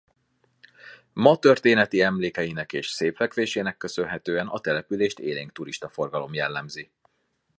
Ma történeti emlékeinek és szép fekvésének köszönhetően a települést élénk turista forgalom jellemzi.